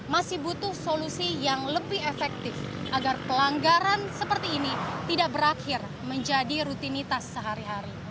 masih butuh solusi yang lebih efektif agar pelanggaran seperti ini tidak berakhir menjadi rutinitas sehari hari